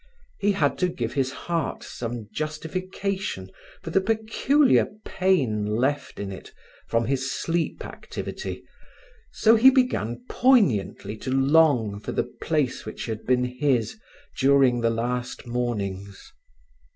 He had to give his heart some justification for the peculiar pain left in it from his sleep activity, so he began poignantly to long for the place which had been his during the last mornings.